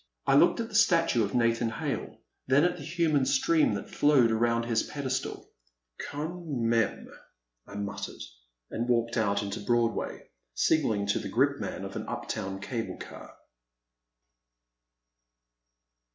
I looked at the statue of Nathan Hale, then at the human stream that flowed around his ped estal. Quand mfime/* I muttered and walked out into Broadway, signalling to the gripman of an uptown cable car.